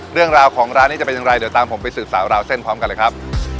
เรื่องราวของร้านนี้จะเป็นอย่างไรเดี๋ยวตามผมไปสืบสาวราวเส้นพร้อมกันเลยครับ